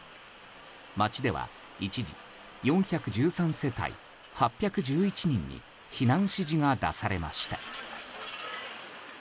町では一時４１３世帯８１１人に避難指示が出されました。